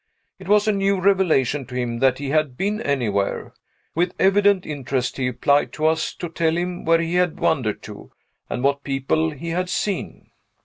It was a new revelation to him that he had been anywhere. With evident interest, he applied to us to tell him where he had wandered to, and what people he had seen!